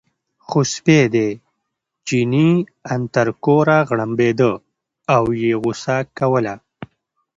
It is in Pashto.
خو سپی دی، چیني ان تر کوره غړمبېده او یې غوسه کوله.